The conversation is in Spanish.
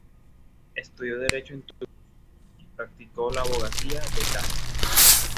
Estudió derecho en Toulouse, y practicó la abogacía de Castres.